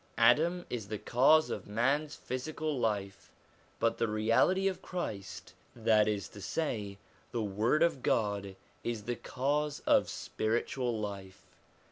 Adam is the cause of man's physical life; but the Reality of Christ, that is to say the Word of God, is the cause of spiritual life.